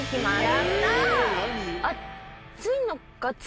やった！